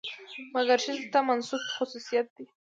مکر ښځې ته منسوب خصوصيت دى.